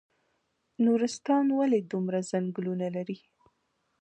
نورستان ولې دومره ځنګلونه لري؟